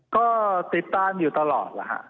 ก็ติดตามอยู่ตลอดแล้วฮะ